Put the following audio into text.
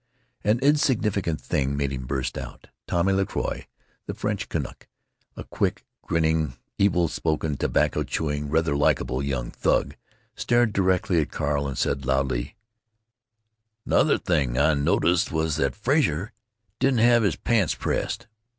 An insignificant thing made him burst out. Tommy La Croix, the French Canuck, a quick, grinning, evil spoken, tobacco chewing, rather likeable young thug, stared directly at Carl and said, loudly: "'Nother thing I noticed was that Frazer didn't have his pants pressed.